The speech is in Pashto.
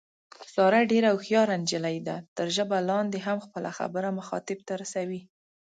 ساره ډېره هوښیاره نجیلۍ ده، تر ژبه لاندې هم خپله خبره مخاطب ته رسوي.